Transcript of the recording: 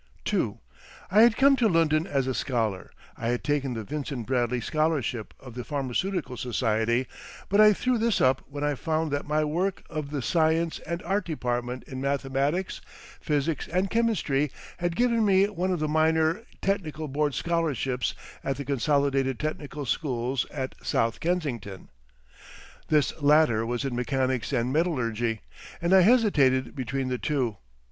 II I had come to London as a scholar. I had taken the Vincent Bradley scholarship of the Pharmaceutical Society, but I threw this up when I found that my work of the Science and Art Department in mathematics, physics and chemistry had given me one of the minor Technical Board Scholarships at the Consolidated Technical Schools at South Kensington. This latter was in mechanics and metallurgy; and I hesitated between the two.